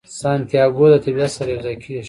سانتیاګو د طبیعت سره یو ځای کیږي.